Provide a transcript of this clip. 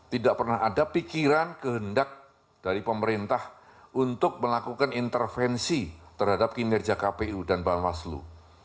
tidak pernah ada pikiran kehendak dari pemerintah untuk melakukan intervensi terhadap kinerja kpu dan bawaslu